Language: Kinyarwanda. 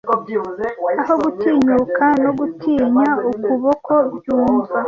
aho gutinyuka no gutinya ukuboko byumva